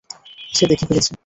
সে দেখে ফেলেছে।